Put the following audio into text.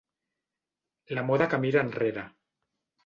La moda que mira enrere.